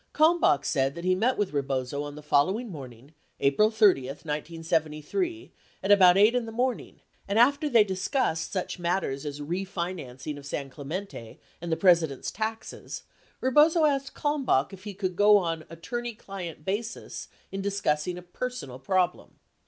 44 Kalmbach said that he met with Rebozo on the following morning, April 30, 1973, at about 8 in the morning and after they discussed such matters as refinancing of San Clemente and the President's taxes, Rebozo asked Kalmbach if he could go on "attorney client basis" "in discussing a personal problem."